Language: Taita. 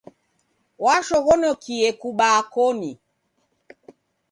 Washoghonokie kubaa koni.